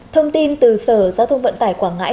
thông tin từ sở giao thông vận tải quảng ngãi